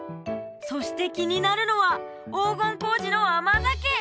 そして気になるのは黄金麹の甘酒！